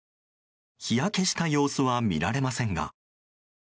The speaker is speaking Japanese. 日焼けした様子は見られませんが。